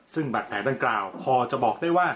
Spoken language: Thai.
ซึ่งบาดแผลดังกล่าวพอจะบอกได้ว่า